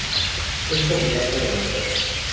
Es popular como mascota.